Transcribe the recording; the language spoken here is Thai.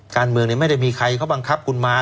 การเมืองไม่ได้มีใครเขาบังคับคุณมา